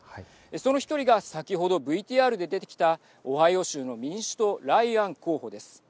その１人が先ほどＶＴＲで出てきたオハイオ州の民主党、ライアン候補です。